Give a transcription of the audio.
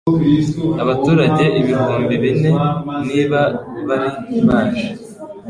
abaturage ibihumbi bine niba bari baje